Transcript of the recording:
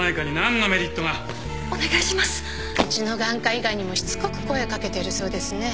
うちの眼科以外にもしつこく声を掛けてるそうですね。